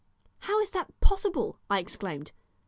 "How is that possible?" I exclaimed.